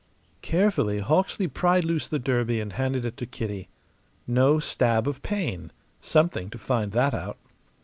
Carefully Hawksley pried loose his derby and handed it to Kitty. No stab of pain; something to find that out.